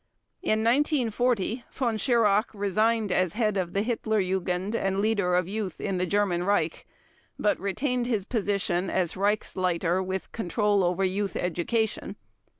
In 1940 Von Schirach resigned as head of the Hitler Jugend and Leader of Youth in the German Reich, but retained his position as Reichsleiter with control over Youth Education.